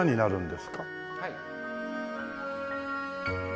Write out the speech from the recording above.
はい。